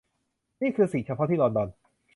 นี่คือสิ่งเฉพาะที่ลอนดอน